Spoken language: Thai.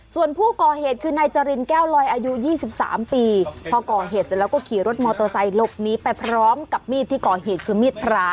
ส่วนผู้ก่อเหตุคือนายจรินแก้วลอยอายุ๒๓ปีพอก่อเหตุเสร็จแล้วก็ขี่รถมอเตอร์ไซค์หลบหนีไปพร้อมกับมีดที่ก่อเหตุคือมีดพระ